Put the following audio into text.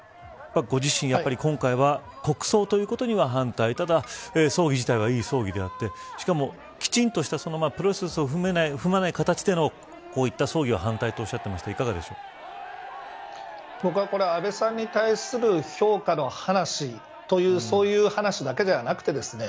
ご自身、やっぱり今回は国葬ということには反対ただ葬儀自体はいい葬儀であってしかも、きちんとしたプロセスを踏まない形でのこういった葬儀は反対とおっしゃっていましたが僕はこれ安倍さんに対する評価の話という、そういう話だけではなくてですね